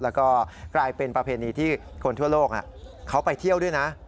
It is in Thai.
แล้วก็กลายเป็นประเพณีที่คนทั่วโลกเขาไปเที่ยวด้วยนะ